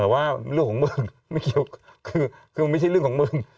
แต่ว่าเรื่องของมึงไม่เกี่ยวคือมันไม่ใช่เรื่องของมึง